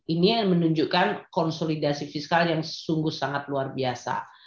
ini menunjukkan konsolidasi fiskal yang sungguh sangat luar biasa